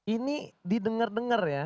ini didengar dengar ya